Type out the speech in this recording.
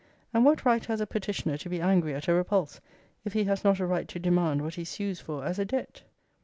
And what right has a petitioner to be angry at a repulse, if he has not a right to demand what he sues for as a debt?